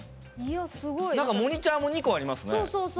モニターも２個ありますね。